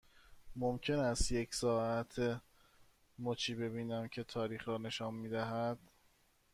ممکن است یک ساعت مچی ببینم که تاریخ را نشان می دهد؟